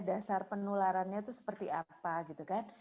dasar penularannya itu seperti apa gitu kan